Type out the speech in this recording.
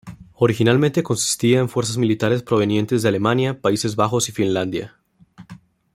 Originalmente consistía en fuerzas militares provenientes de Alemania, Países Bajos y Finlandia.